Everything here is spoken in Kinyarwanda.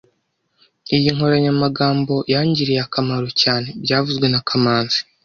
Iyi nkoranyamagambo yangiriye akamaro cyane byavuzwe na kamanzi